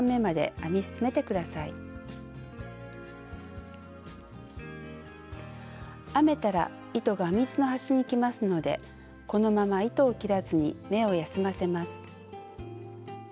編めたら糸が編み図の端にきますのでこのまま糸を切らずに目を休ませます。